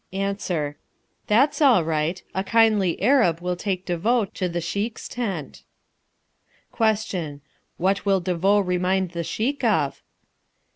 Answer. That's all right. A kindly Arab will take De Vaux to the Sheik's tent. Question. What will De Vaux remind the Sheik of?